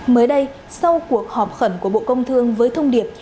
mới đây sau cuộc họp khẩn của bộ công thương với thông điệp